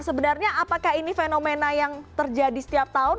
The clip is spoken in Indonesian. sebenarnya apakah ini fenomena yang terjadi setiap tahun